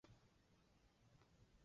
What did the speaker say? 但歌词全部也相同。